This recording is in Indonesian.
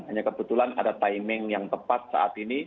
hanya kebetulan ada timing yang tepat saat ini